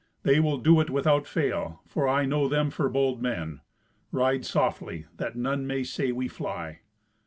They will do it without fail, for I know them for bold men. Ride softly, that none may say we fly."